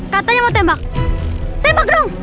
katanya mau tembak tembak dong